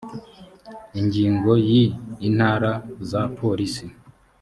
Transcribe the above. ingingo yi intara za polisi